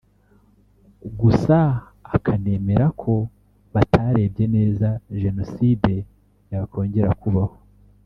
gusa akanemera ko batarebye neza jenoside yakongera kubaho